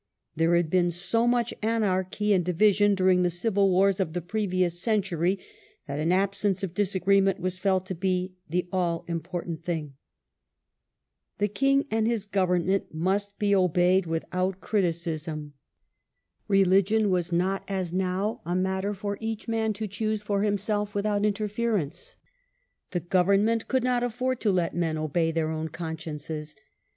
There had been so much anarchy and division during the civil wars of the previous century, that an absence of disagreement was felt to be the all important thing. The king and his government must be obeyed without 2 THE ENGLISH REFORMATION. criticism. Religion was not, as now, a matter for each man to choose for himself without interference. The government could not afford to let men obey their own consciences.